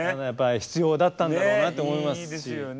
必要だったんだろうなと思いますし。